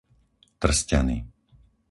Trsťany